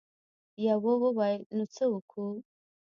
يوه وويل: نو څه وکو؟